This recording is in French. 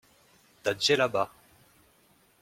Ta djellaba.